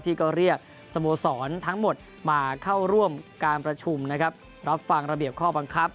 ที่ก็เรียกสโมสรทั้งหมดมาเข้าร่วมการประชุมนะครับรับฟังระเบียบข้อบังคับ